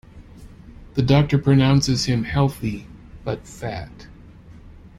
The doctor pronounces him healthy, but fat.